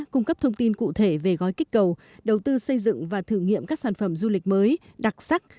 cung cấp thông tin cụ thể về gói kích cầu đầu tư xây dựng và thử nghiệm các sản phẩm du lịch mới đặc sắc